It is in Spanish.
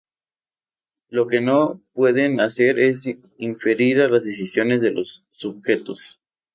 Lo que no pueden hacer es interferir en las decisiones de los sujetos.